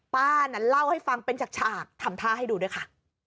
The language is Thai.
นั่นเล่าให้ฟังเป็นฉากทำท่าให้ดูด้วยค่ะ